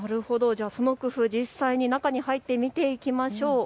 その工夫、実際に中に入って見ていきましょう。